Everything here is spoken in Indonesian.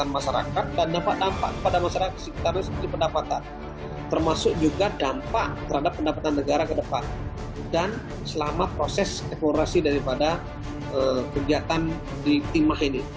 maka siapa nanti akan mengganti rupiah